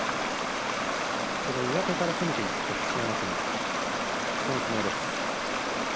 その上手から攻めていった千代の国です。